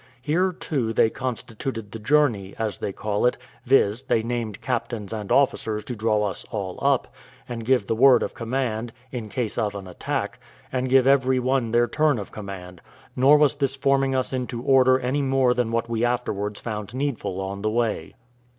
Here, too, they constituted the journey, as they call it, viz. they named captains and officers to draw us all up, and give the word of command, in case of an attack, and give every one their turn of command; nor was this forming us into order any more than what we afterwards found needful on the way.